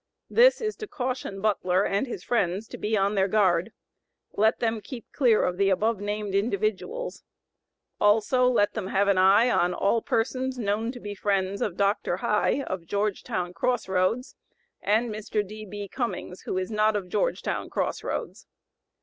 This is to caution BUTLER and his friends to be on their guard. Let them keep clear of the above named individuals. Also, let them have an eye on all persons known to be friends of Dr. High, of Georgetown Cross Roads, and Mr. D.B. Cummings, who is not of Georgetown Cross Roads.